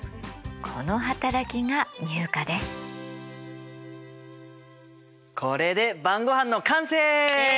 この働きがこれで晩ごはんの完成！